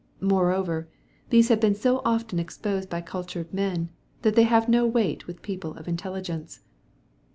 Moreover, these have been so often exposed by cultured men, that they have no weight with people of intelligence."